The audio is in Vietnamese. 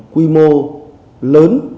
quy mô lớn